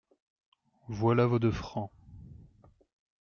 Voilà vos deux francs …'.